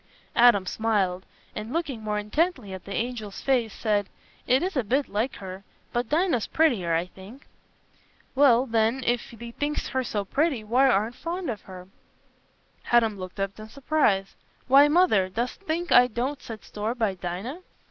Adam smiled, and, looking more intently at the angel's face, said, "It is a bit like her; but Dinah's prettier, I think." "Well, then, if thee think'st her so pretty, why arn't fond on her?" Adam looked up in surprise. "Why, Mother, dost think I don't set store by Dinah?"